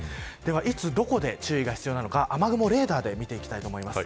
いつどこで注意が必要なのか雨雲レーダーで見ていきます。